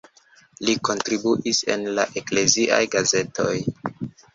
Li kontribuis en la ekleziaj gazetoj.